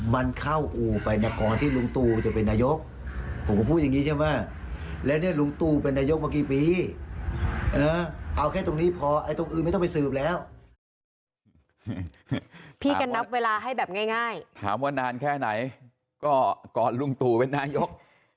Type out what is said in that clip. ให้แบบง่ายถามว่านานแค่ไหนก็กรรลุงตูเป็นนายก